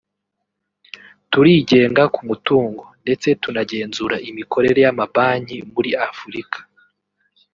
turigenga ku mutungo ndetse tunagenzura imikorere y’amabanki muri Afurika